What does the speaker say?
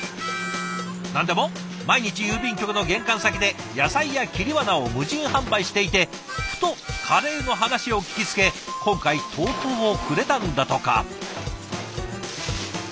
何でも毎日郵便局の玄関先で野菜や切り花を無人販売していてふとカレーの話を聞きつけ今回投稿をくれたんだとか。